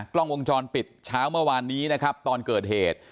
กล้องวงจรปิดเช้าเมื่อวานนี้นะครับตอนเกิดเหตุ